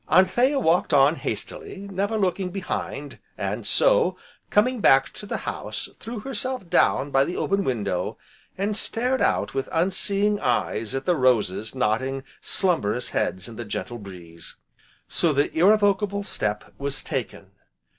Anthea walked on hastily, never looking behind, and so, coming back to the house, threw herself down by the open window, and stared out with unseeing eyes at the roses nodding slumberous heads in the gentle breeze. So the irrevocable step was taken!